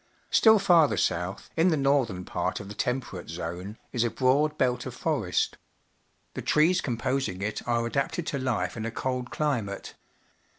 Still farther south, in the northern part of the Temperate Zone, is a broad belt of forest. The t rees composing it are adapted to life in a cold climate.